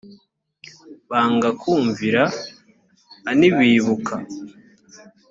banga kumvira a ntibibuka